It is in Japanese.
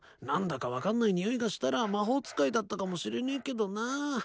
何だか分かんないにおいがしたら魔法使いだったかもしれねえけどな。